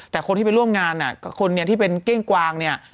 แต่คนที่ไปร่วมงานกับคนนี้ที่เป็นเก้งกวางเนี่ย